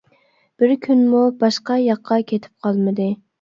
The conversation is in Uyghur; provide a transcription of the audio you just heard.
بىر كۈنمۇ باشقا ياققا كېتىپ قالمىدى.